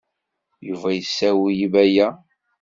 Yuba yessawel i Baya.